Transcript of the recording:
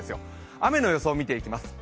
雨の予想を見ていきます。